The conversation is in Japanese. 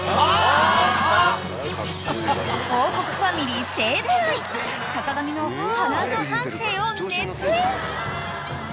［『王国』ファミリー勢揃い坂上の波乱の半生を熱演］